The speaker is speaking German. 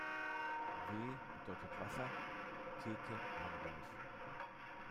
We bedeutet „Wasser“, Keke „Armreif“.